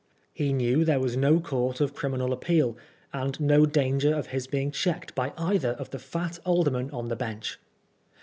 He knew there was no court of criminal appeal, and no danger of his being checked by either of the fat aldermen on the bench.